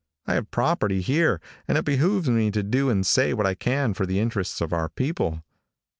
I have property here and it behooves me to do and say what I can for the interests of our people.